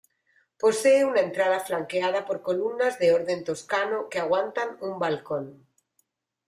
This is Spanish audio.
Posee una entrada flanqueada por columnas de orden toscano que aguantan un balcón.